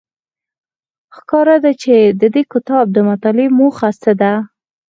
ښکاره ده چې د دې کتاب د مطالعې موخه څه ده.